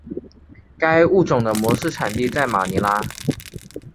该物种的模式产地在马尼拉。